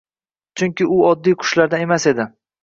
Chunki, u oddiy qushlardan emas edi.